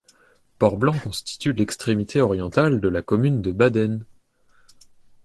Port-Blanc constitue l'extrémité orientale de la commune de Baden.